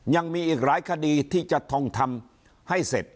ยังมีอีกหลายคดีที่จะทองทำให้เสร็จ